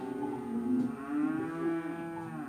越南男性使用垫名还有区别宗族的功能。